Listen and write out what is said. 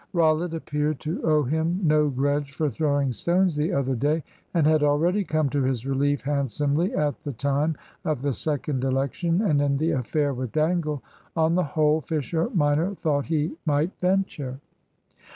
Rollitt appeared to owe him no grudge for throwing stones the other day, and had already come to his relief handsomely at the time of the second election and in the affair with Dangle. On the whole, Fisher minor thought he might venture.